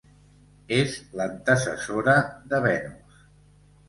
És l'antecessora de Venus.